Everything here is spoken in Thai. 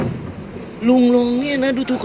พี่อัดมาสองวันไม่มีใครรู้หรอก